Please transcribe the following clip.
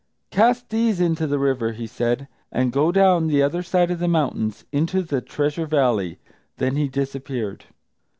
"Cast these into the river," he said, "and go down the other side of the mountains into the Treasure Valley." Then he disappeared.